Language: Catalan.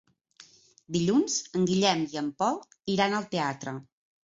Dilluns en Guillem i en Pol iran al teatre.